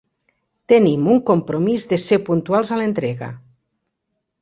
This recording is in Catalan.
Tenim un compromís de ser puntuals a l'entrega.